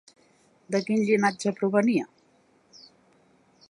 De quin llinatge provenia?